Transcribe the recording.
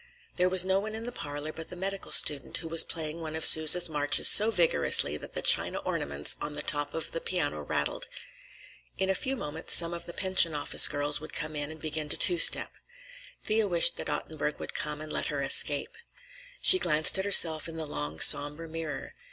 There was no one in the parlor but the medical student, who was playing one of Sousa's marches so vigorously that the china ornaments on the top of the piano rattled. In a few moments some of the pension office girls would come in and begin to two step. Thea wished that Ottenburg would come and let her escape. She glanced at herself in the long, somber mirror.